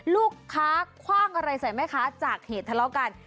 ลูกค้าคว่างอะไรใส่แม่ค้าจากเหตุทะเลาะกัน